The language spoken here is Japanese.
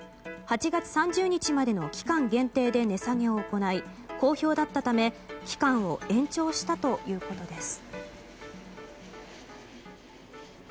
８月３０日までの期間限定で値下げを行い好評だったため期間を延長したということです。